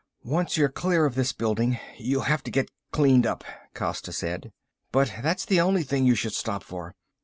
"Once you're clear of this building, you'll have to get cleaned up," Costa said. "But that's the only thing you should stop for.